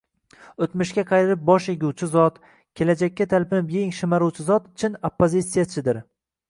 O’tmishga qayrilib bosh eguvchi zot, kelajakka talpinib yeng shimaruvchi zot — chin oppozitsiyachidir!